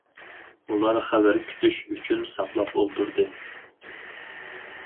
ئۇلار خەۋەر كۈتۈش ئۈچۈن ساقلاپ ئولتۇردى.